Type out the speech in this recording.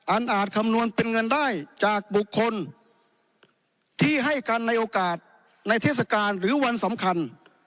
อาจคำนวณเป็นเงินได้จากบุคคลที่ให้กันในโอกาสในเทศกาลหรือวันสำคัญ